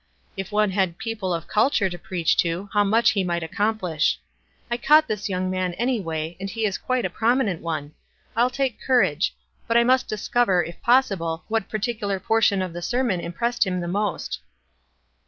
If one had people of culture to preach to how much he might accomplish. I've caught this young man, anyway, and he is quite a prominent one. I'll take courage ; but I must discover, if possible, what particular portion of the sermon impressed him most."